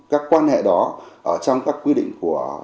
các quan hệ đó trong các quy định của